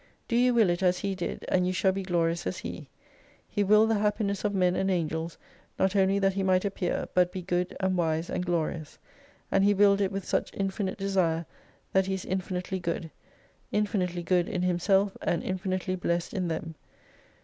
Do you will it as He did, and you shall be glorious as He. He willed the happiness of men and angels not only that He might appear, but be good and wise and glorious. And He willed it with such infinite desire, that He is infinitely good : infinitely good in Himself, and infinitely blessed in them.